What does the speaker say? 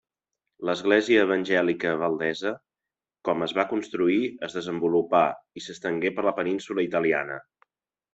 L'Església Evangèlica Valdesa, com es va constituir, es desenvolupà i s'estengué per la península italiana.